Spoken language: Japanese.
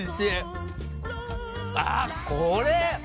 あっこれ！